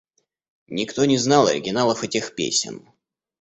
Никто не знал оригиналов этих песен.